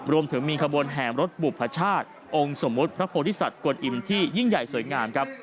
รวมถึงมีขบวนแห่มรถบุพชาติองค์สมมุติพระโพธิสัตว์กวนอิมที่ยิ่งใหญ่สวยงามครับ